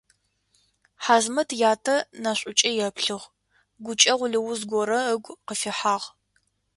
Хьамзэт ятэ нэшӀукӀэ еплъыгъ, гукӀэгъу лыуз горэ ыгу къыфихьагъ.